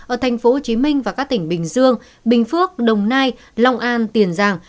ở thành phố hồ chí minh và các tỉnh bình dương bình phước đồng nai long an tiền giang